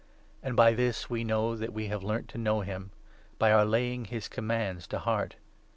And by this we 3 know that we have learnt to know him — by our laying his commands to heart.